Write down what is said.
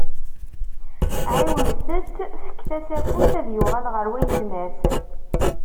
Ɛiwent-t, fket-as afus, ad yuɣal ɣer wayetma-s.